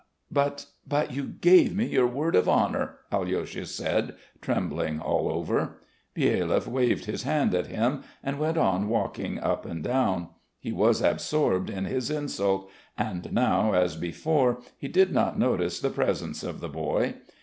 "But, but you gave me your word of honour," Alyosha said trembling all over. Byelyaev waved his hand at him and went on walking up and down. He was absorbed in his insult, and now, as before, he did not notice the presence of the boy.